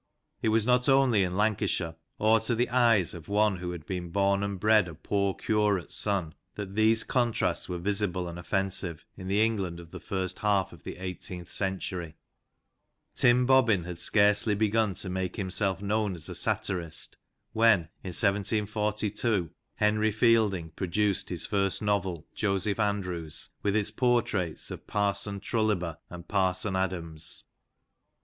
It was not only in Lancashire, or to the eyes of one who had been born and bred a poor curate's son, that these contrasts were visible and offensive in the England of the first half of the eighteenth century. Tim Bobbin had scarcely begun to make himself known as a satirist, when (in 1742) Henry Fielding produced his first novel, Joseph Andrews, with its portraits of Parson Trulliber and Parson Adams.